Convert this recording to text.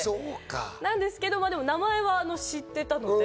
なんですけど、名前は知っていたので。